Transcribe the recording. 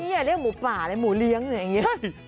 อันนี้อย่าเรียกหมูป่าหมูเลี้ยงอย่างนี้